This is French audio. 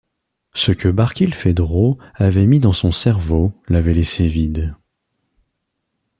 Ce que Barkilphedro avait mis dans son cerveau l’avait laissé vide.